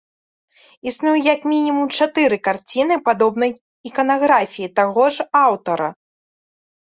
Існуе як мінімум чатыры карціны падобнай іканаграфіі таго ж аўтара.